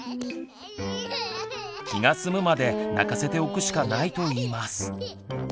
気が済むまで泣かせておくしかないと言います。